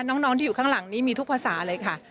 น้องที่อยู่ข้างหลังนี้มีทุกภาษาเลยค่ะ